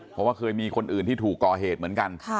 เพราะว่าเคยมีคนอื่นที่ถูกก่อเหตุเหมือนกัน